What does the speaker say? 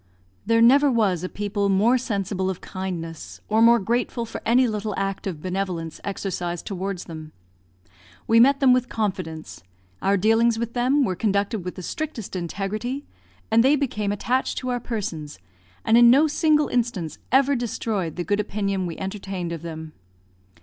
There never was a people more sensible of kindness, or more grateful for any little act of benevolence exercised towards them. We met them with confidence; our dealings with them were conducted with the strictest integrity; and they became attached to our persons, and in no single instance ever destroyed the good opinion we entertained of them.